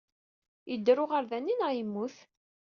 Yedder uɣerda-nni neɣ yemmut?